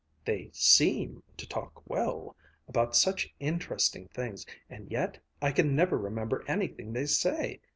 "They seem to talk well, about such interesting things, and yet I can never remember anything they say.